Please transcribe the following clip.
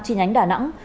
chi nhánh đà nẵng